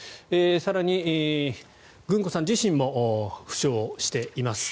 更にグンコさん自身も負傷しています。